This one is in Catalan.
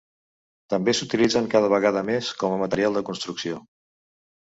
També s'utilitzen cada vegada més com a material de construcció.